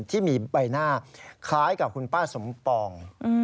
ที่มีใบหน้าคล้ายกับคุณป้าสมปอง